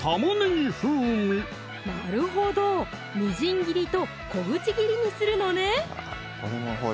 なるほどみじん切りと小口切りにするのね